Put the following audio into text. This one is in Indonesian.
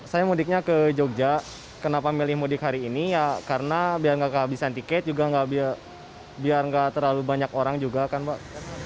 saya mudiknya ke jogja kenapa milih mudik hari ini ya karena biar nggak kehabisan tiket juga biar nggak terlalu banyak orang juga kan pak